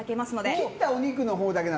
切ったお肉のほうだけなの？